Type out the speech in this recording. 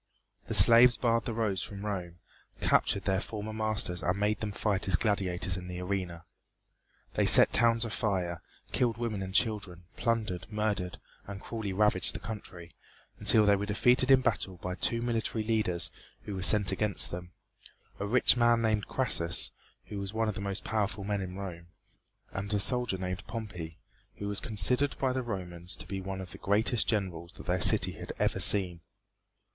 The slaves barred the roads from Rome, captured their former masters and made them fight as gladiators in the arena. They set towns afire, killed women and children, plundered, murdered and cruelly ravaged the country, until they were defeated in battle by two military leaders who were sent against them a rich man named Crassus, who was one of the most powerful men in Rome, and a soldier named Pompey, who was considered by the Romans to be one of the greatest generals that their city had ever seen.